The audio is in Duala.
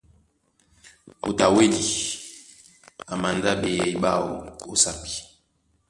Moto a wedí a mandá ɓeyɛy ɓáō ó sápi.